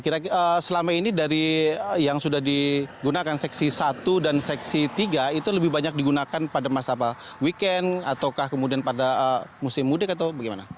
kira kira selama ini dari yang sudah digunakan seksi satu dan seksi tiga itu lebih banyak digunakan pada masa weekend ataukah kemudian pada musim mudik atau bagaimana